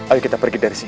ayo kita pergi dari sini